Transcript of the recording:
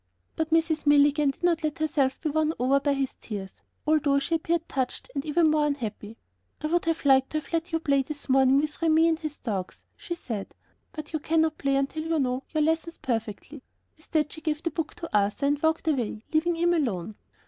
But Mrs. Milligan did not let herself be won over by his tears, although she appeared touched and even more unhappy. "I would have liked to have let you play this morning with Remi and the dogs," she said, "but you cannot play until you know your lessons perfectly." With that she gave the book to Arthur and walked away, leaving him alone.